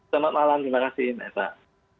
selamat malam terima kasih mbak eva